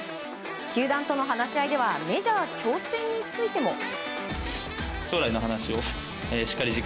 球団との話し合いではメジャー挑戦についても。